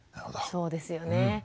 そうですよね。